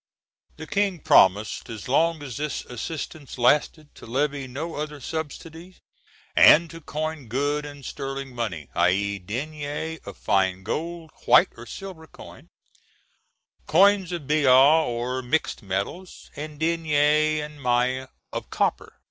The King promised as long as this assistance lasted to levy no other subsidy and to coin good and sterling money i.e., deniers of fine gold, white, or silver coin, coin of billon, or mixed metal, and deniers and mailles of copper.